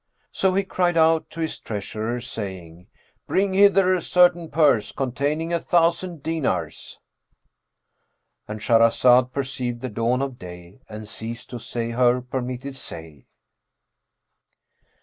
So he cried out to his treasurer, saying, "Bring hither a certain purse containing a thousand dinars,"—And Shahrazad perceived the dawn of day and ceased to say her permitted say.